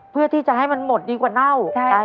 เพื่อที่จะให้มันหมดดีกว่าเน่า